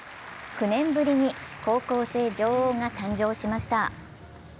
９年ぶりに高校生女王が誕生しました。